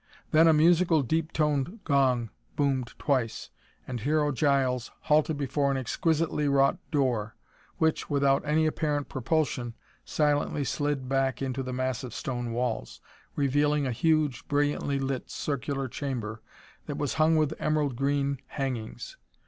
Then a musical, deep toned gong boomed twice, and Hero Giles halted before an exquisitely wrought door, which, without any apparent propulsion, silently slid back into the massive stone walls, revealing a huge, brilliantly lit circular chamber that was hung with emerald green hangings.